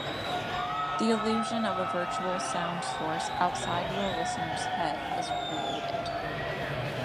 The illusion of a virtual sound source outside the listener's head is created.